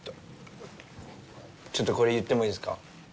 ちょっと、これ言ってもいいですか？